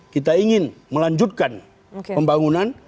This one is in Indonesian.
kita ingin melanjutkan pembangunan